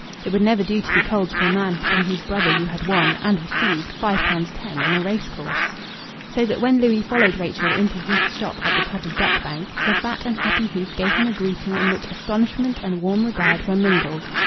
It would never do to be cold to a man from whose brother you had won and received five pounds ten on a racecourse. So that when Louis followed Rachel into Heath's shop at the top of Duck Bank the fat and happy Heath gave him a greeting in which astonishment and warm regard were mingled.